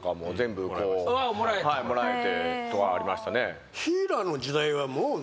はいもらえてとかありましたね。